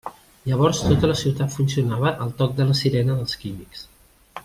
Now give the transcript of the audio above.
Llavors tota la ciutat funcionava al toc de la sirena dels Químics.